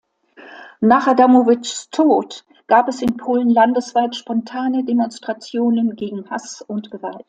Nach Adamowicz’ Tod gab es in Polen landesweit spontane Demonstrationen gegen Hass und Gewalt.